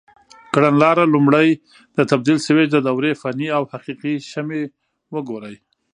کړنلاره: لومړی د تبدیل سویچ د دورې فني او حقیقي شمې وګورئ.